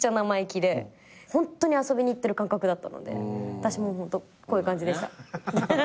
私もホントこういう感じでした。